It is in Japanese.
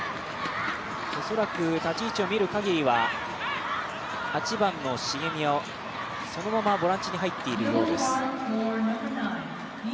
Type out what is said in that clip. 恐らく立ち位置を見る限りは、８番の重見はそのままボランチに入っているようです。